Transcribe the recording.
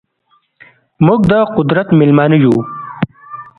موږ ده قدرت میلمانه یو